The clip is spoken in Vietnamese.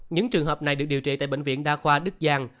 những trường hợp này được điều trị tại bệnh viện đa khoa đức giang